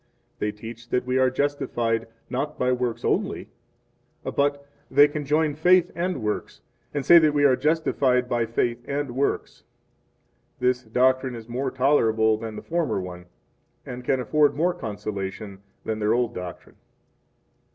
6 They teach that we are justified not by works only, but they conjoin faith and works, and say that we are justified by faith and works. 7 This doctrine is more tolerable than the former one, and can afford more consolation than their old doctrine.